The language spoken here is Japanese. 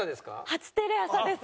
初テレ朝です。